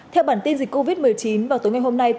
theo bản tin dịch covid một mươi chín vào tối ngày hôm nay